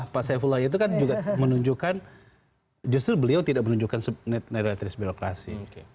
pak saifuloh itu kan juga menunjukkan justru beliau tidak menunjukkan netralitas birokrasi